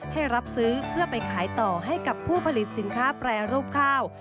ให้รับซื้อเพื่อไปขายต่อให้กับผู้ผลิตสินค้าแปรรูปข้าว